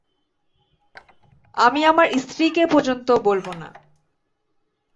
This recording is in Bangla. আমি আমার স্ত্রীকে পর্যন্ত বলব না।